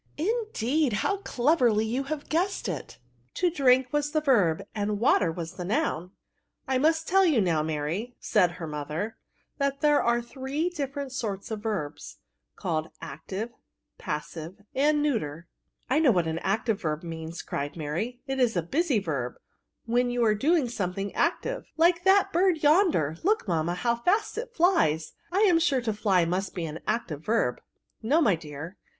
" Indeed ! how cleverly you have guessed it, to drink was the verb, and water the noun." I must now tell you, Mary, said her mother, " that there are three different sorts of verbs, called active, passive, and neuter, " I know what an active verb means, cried Mary j '* it is a busy verb, when you axe doing something active, like that bird VfiRBS. 55 yonder. Looki mammay how &8t it flies; I am sure to fly must be an active verb.'* No, my dear.